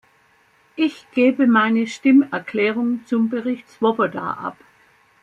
Ich gebe meine Stimmerklärung zum Bericht Swoboda ab.